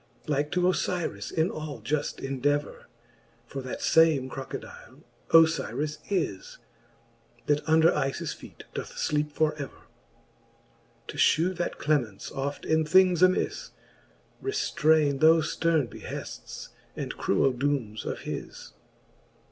Like to Ofyris in all juft endever. For that fame Crocodile Ofyris is> That under JJis feete doth fleepe for ever: To fhew, that clemence oft in things amis Reftraines thofe fterne behefts, and cruell doomes of his.